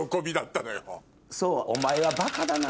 「お前はバカだな」。